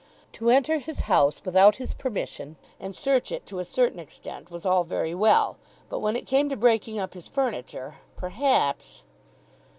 To enter his house without his permission and search it to a certain extent was all very well. But when it came to breaking up his furniture, perhaps